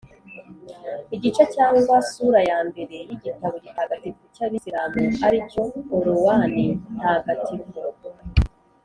igice cyangwa sura ya mbere y’igitabo gitagatifu cy’abisilamu, ari cyo korowani ntagatifu.